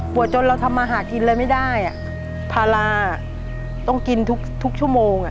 จนเราทำมาหากินเลยไม่ได้พาราต้องกินทุกชั่วโมง